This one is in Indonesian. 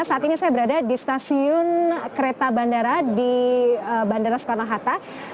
saat ini saya berada di stasiun kereta bandara di bandara soekarno hatta